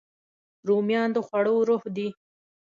رومیان د خوړو روح دي